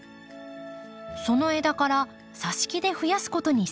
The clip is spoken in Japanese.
その枝から挿し木で増やすことに成功。